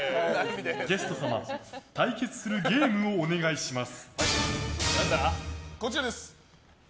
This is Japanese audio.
ゲスト様対決するゲームをお願いします。